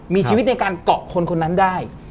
มีชีวิตในการเกาะคนคนนั้นได้